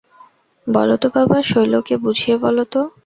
বলো তো বাবা, শৈলকে বুঝিয়ে বলো তো।